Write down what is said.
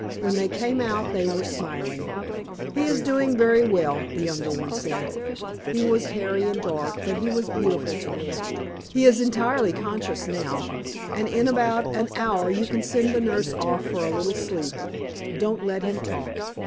When they came out they were smiling. "He is doing very well," the younger one said he was hairy and dark, but he was beautiful to me. "He is entirely conscious now, and in about an hour you can send the nurse off for a little sleep. Don't let him talk."